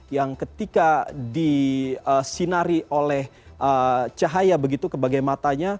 yang ketika disinari oleh cahaya begitu ke bagai matanya